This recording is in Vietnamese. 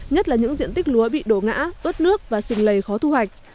nhất là những diện tích lúa bị đổ ngã ớt nước và xình lầy khó thu hoạch